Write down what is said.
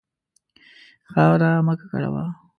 خاوره مه ککړوه.